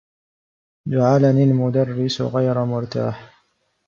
جعلني المدرّس غير مرتاح.